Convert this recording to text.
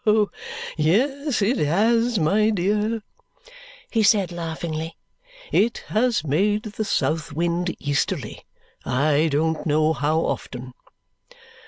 "Oh, yes, it has, my dear," he said laughingly. "It has made the south wind easterly, I don't know how often.